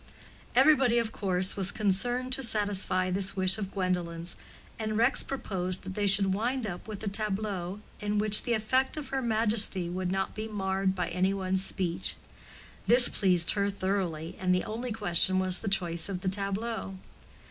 Everybody of course was concerned to satisfy this wish of Gwendolen's, and Rex proposed that they should wind up with a tableau in which the effect of her majesty would not be marred by any one's speech. This pleased her thoroughly, and the only question was the choice of the tableau.